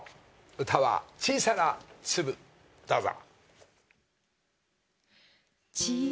歌は『小さな粒』どうぞ。